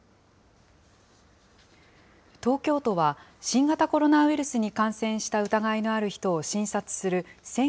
東京都は、新型コロナウイルスに感染した疑いのある人を診察する１０００